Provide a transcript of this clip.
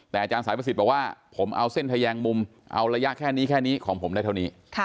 แต่อาจารย์สายประสิทธิ์บอกว่าผมเอาเส้นทะแยงมุมเอาระยะแค่นี้แค่นี้ของผมได้เท่านี้